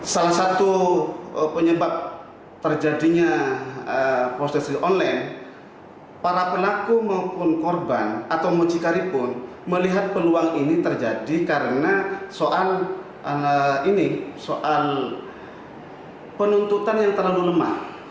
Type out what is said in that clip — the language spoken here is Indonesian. salah satu penyebab terjadinya prostitusi online para pelaku maupun korban atau mucikari pun melihat peluang ini terjadi karena soal ini soal penuntutan yang terlalu lemah